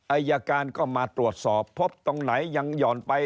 อายการก็มาตรวจสอบพบตรงไหนยังหย่อนไป